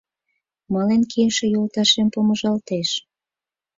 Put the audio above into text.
Мален кийыше йолташем помыжалтеш.